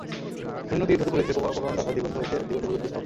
শূন্য তীর ধুধু করিতেছে, প্রকাণ্ড আকাশ দিগন্ত হইতে দিগন্ত পর্যন্ত স্তব্ধ।